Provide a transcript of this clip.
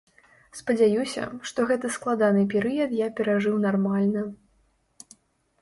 Спадзяюся, што гэты складаны перыяд я перажыў нармальна.